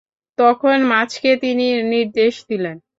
তখন মাছকে তিনি নির্দেশ দিলেন।